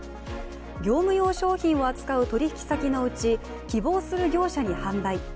業務用商品を扱う取引先のうち、希望する業者に販売。